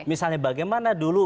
misalnya bagaimana dulu